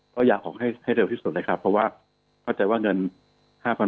ก็อยากออกให้เร็วที่สุดเลยครับเพราะว่าเข้าใจว่าเงิน๕๐๐๐